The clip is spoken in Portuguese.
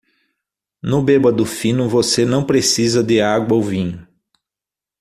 No bêbado fino você não precisa de água ou vinho.